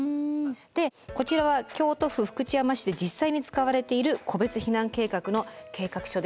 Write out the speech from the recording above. でこちらは京都府福知山市で実際に使われている個別避難計画の計画書です。